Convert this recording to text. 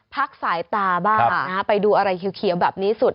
สายตาบ้างไปดูอะไรเขียวแบบนี้สุด